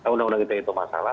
undang undang ite itu masalah